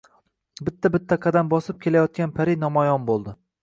bitta-bitta qadam bosib kelayotgan pari namoyon boʼldi.